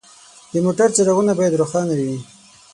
د موټر څراغونه باید روښانه وي.